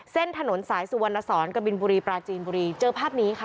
ถนนสายสุวรรณสอนกบินบุรีปราจีนบุรีเจอภาพนี้ค่ะ